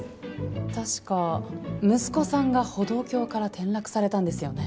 確か息子さんが歩道橋から転落されたんですよね？